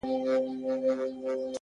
هلته پاس چي په سپوږمۍ كي.!